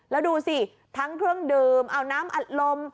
แล้วดูสิทั้งเครื่องดื่มเอาน้ำอัดลม